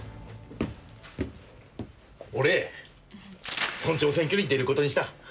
俺村長選挙に出ることにした。